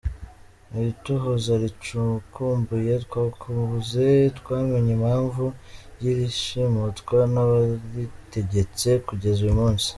Mu itohoza ricukumbuye twakoze twamenye impamvu y’irishimutwa nabaritegetse kugeza uyu munsi.